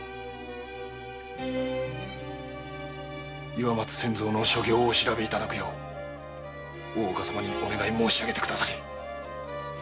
岩松千蔵の所業を調べるよう大岡様にお願いしてくだされ。